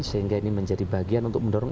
sehingga ini menjadi bagian untuk mendorong